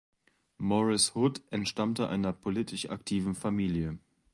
Morris Hood entstammte einer politisch aktiven Familie.